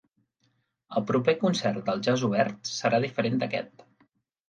El proper concert del Jazz Obert serà diferent d'aquest.